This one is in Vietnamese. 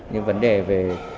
nhưng vấn đề về